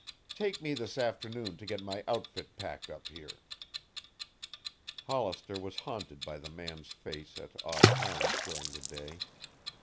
"Take me this afternoon to get my outfit packed up here." Hollister was haunted by the man's face at odd times during the day.